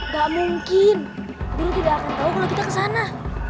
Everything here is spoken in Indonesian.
gak mungkin guru tidak akan tahu kalau kita kesana